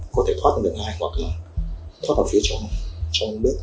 có thể thoát lên đường hai hoặc là thoát vào phía trong đất